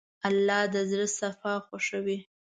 الله د زړه صفا خوښوي.